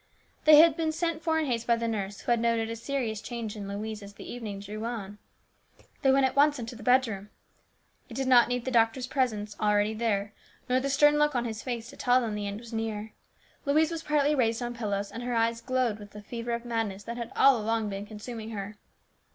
They had been sent for in haste by the nurse, who had noted a serious change in Louise as the evening drew on. They went at once into the bedroom. It did not need the doctor's presence, already there, nor the stern look on his face, to tell them that the end was near. Louise was partly raised on pillows, and her eyes glowed with the fever of madness that had all along been consuming her.